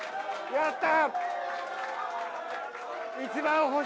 やった！